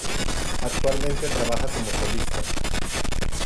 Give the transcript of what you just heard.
Actualmente trabaja como solista.